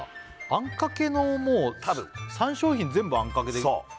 あんかけのもう３商品全部あんかけでそう